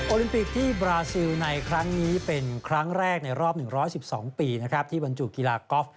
โอลิงปีกที่บราซิลในครั้งนี้เป็นครั้งแรกในรอบ๑๑๒ปีที่วันจู่กีฬาคอล์ฟ